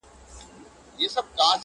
o دا هم له تا جار دی. اې وطنه زوروره.